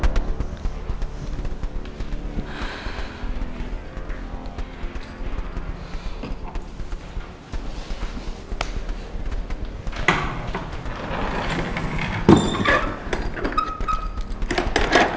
sus siapkan defibrilator ya